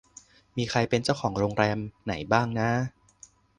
มีใครเป็นเจ้าของโรงแรมไหนบ้างน้า